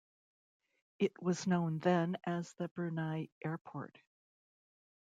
It was known then as the Brunei Airport.